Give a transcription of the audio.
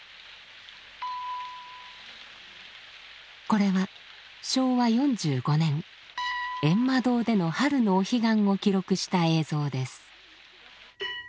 これは昭和４５年閻魔堂での春のお彼岸を記録した映像です。